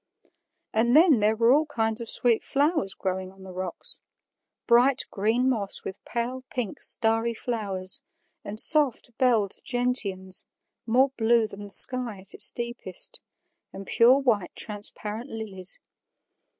And then there were all kinds of sweet flowers growing on the rocks bright green moss with pale pink, starry flowers, and soft belled gentians, more blue than the sky at its deepest, and pure white transparent lilies.